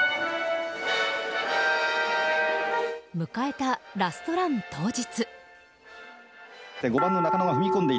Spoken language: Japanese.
迎えた、ラストラン当日。